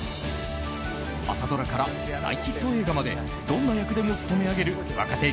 朝ドラから大ヒット映画までどんな役でも務め上げる若手